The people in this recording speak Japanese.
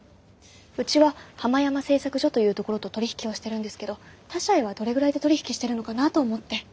うちはハマヤマ製作所というところと取り引きをしてるんですけど他社へはどれぐらいで取り引きしてるのかなと思って。